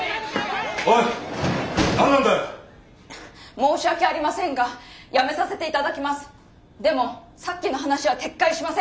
申し訳ありませんがやめさせて頂きます。